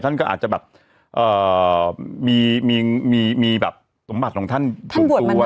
ท่านก็อาจจะแบบเอ่อมีมีมีมีแบบสมบัติของท่านท่านบวชมานาน